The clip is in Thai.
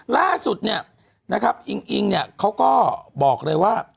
ล่าสุดเนี่ยนะครับอิงอิงเนี่ยเขาก็บอกเลยว่า